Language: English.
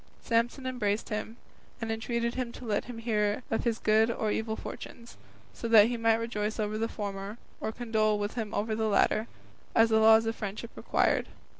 Samson embraced him, and entreated him to let him hear of his good or evil fortunes, so that he might rejoice over the former or condole with him over the latter, as the laws of friendship required.